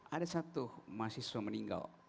ada satu mahasiswa meninggal